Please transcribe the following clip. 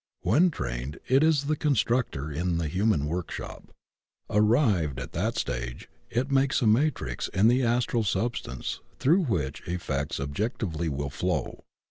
When trained it is the Constructor in the Human Workshop. Ar rived at that stage it makes a matrix in the Astral substance through which effects objectively will flow.